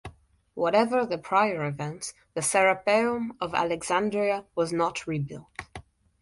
Whatever the prior events, the Serapeum of Alexandria was not rebuilt.